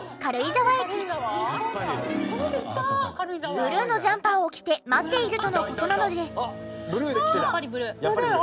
ブルーのジャンパーを着て待っているとの事なので。